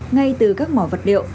ngay từ các mỏ vật liệu